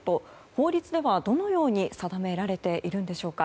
法律では、どのように定められているんでしょうか。